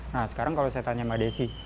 nah sekarang kalau saya tanya mbak desi